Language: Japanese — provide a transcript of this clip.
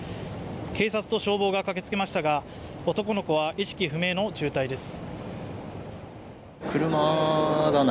警察と消防が駆けつけましたが、男の子は意識不明の重体です。